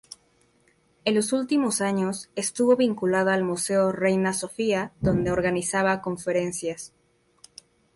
En los últimos años estuvo vinculada al Museo Reina Sofía, donde organizaba conferencias.